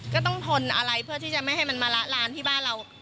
ก็ต้องทนอะไรเพื่อที่จะไม่ให้มันมาละลานที่บ้านเรา